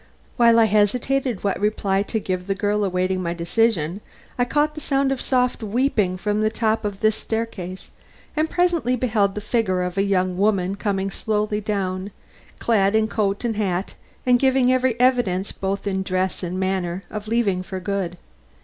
While I hesitated what reply to give the girl awaiting my decision, I caught the sound of soft weeping from the top of this staircase, and presently beheld the figure of a young woman coming slowly down, clad in coat and hat and giving every evidence both in dress and manner of leaving for good.